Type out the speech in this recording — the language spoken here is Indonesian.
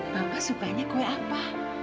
bapak suka kue apa